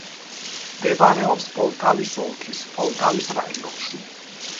მდებარეობს პოლტავის ოლქის პოლტავის რაიონში.